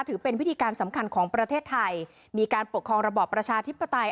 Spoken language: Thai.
ถือเป็นวิธีการสำคัญของประเทศไทยมีการปกครองระบอบประชาธิปไตย